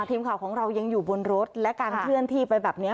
ทีมข่าวของเรายังอยู่บนรถและการเคลื่อนที่ไปแบบนี้